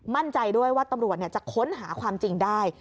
มั่นใจด้วยว่าตำรวจจะค้นหาความจริงได้